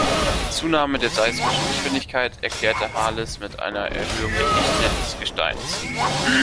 Die Zunahme der seismischen Geschwindigkeit erklärte Hales mit einer Erhöhung der Dichte des Gesteins.